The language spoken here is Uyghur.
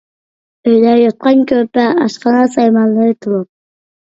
ئۆيدە يوتقان-كۆرپە، ئاشخانا سايمانلىرى تولۇق.